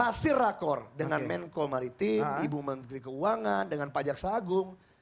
dan itu hasil rakor dengan menko maritim ibu menteri keuangan dengan pajak sagung